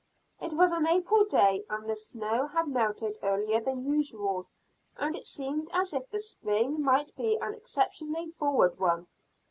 It was an April day, and the snow had melted earlier than usual, and it seemed as if the spring might be an exceptionally forward one.